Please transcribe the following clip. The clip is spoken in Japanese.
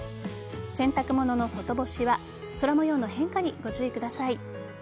洗濯物の外干しは空模様の変化にご注意ください。